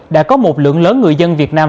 đã có một lượng lớn người dân việt nam